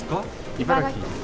茨城です。